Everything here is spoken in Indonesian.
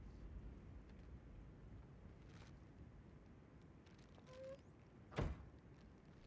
pusimu mbak ambe ini